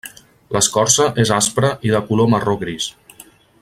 L'escorça és aspra i de color marró gris.